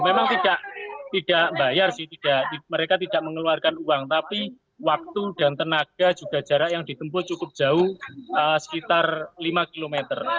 memang tidak bayar sih mereka tidak mengeluarkan uang tapi waktu dan tenaga juga jarak yang ditempuh cukup jauh sekitar lima km